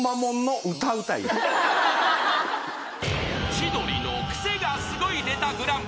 ［『千鳥のクセがスゴいネタＧＰ』］